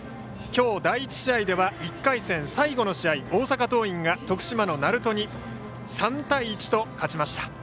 きょう、第１試合では１回戦、最後の試合、大阪桐蔭が徳島の鳴門に３対１と勝ちました。